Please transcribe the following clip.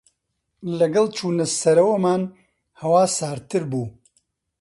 لەگەڵ چوونە سەرەوەمان، هەوا ساردتر بوو.